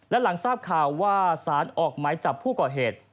และหลังทราบข่าวว่าสารออกหมายจับผู้ก่อเหตุ